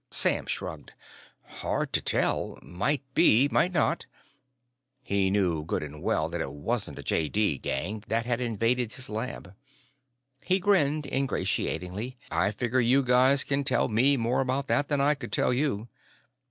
Sam shrugged. "Hard to tell. Might be. Might not." He knew good and well that it wasn't a JD gang that had invaded his lab. He grinned ingratiatingly. "I figure you guys can tell me more about that than I could tell you."